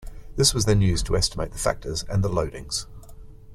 This was then used to estimate the factors and the loadings.